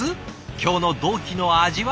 今日の同期の味は。